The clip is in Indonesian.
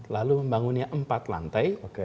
lalu membangunnya empat lantai